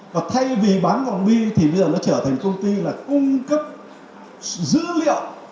và thay vì bán vòng bi thì bây giờ nó trở thành công ty là cung cấp dữ liệu